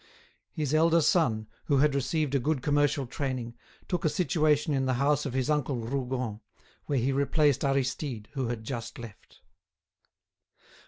His elder son, who had received a good commercial training, took a situation in the house of his uncle Rougon, where he replaced Aristide, who had just left.